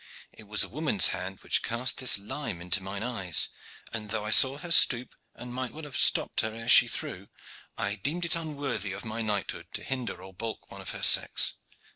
It was a woman's hand which cast this lime into mine eyes, and though I saw her stoop, and might well have stopped her ere she threw, I deemed it unworthy of my knighthood to hinder or balk one of her sex."